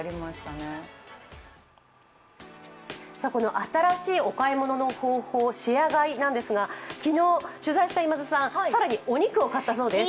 新しいお買い物の方法、シェア買いなんですが昨日取材した今津さん更にお肉を買ったそうです。